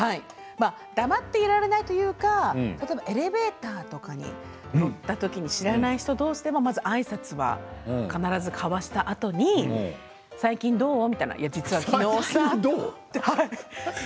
黙っていられないというか例えば、エレベーターとかに乗った時に知らない人同士でもまずはあいさつは交わしたあとに最近どう？みたいな。